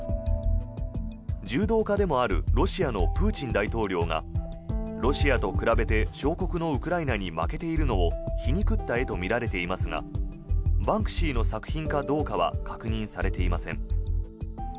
柔道家でもあるロシアのプーチン大統領がロシアと比べて小国のウクライナに負けているのを皮肉った絵とみられていますがバンクシーの作品かどうかは確認されていません。